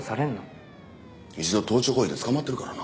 一度盗聴行為で捕まってるからな。